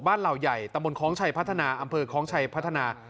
บ้านลาวใหญ่ตำบลคล้องชัยพัฒนาอำเฟิร์คล้องชัยพัฒนา